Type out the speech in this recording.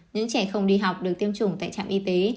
những trẻ không đi học được tiêm chủng tại trạm y tế